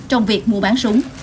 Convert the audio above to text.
trong việc mua bán súng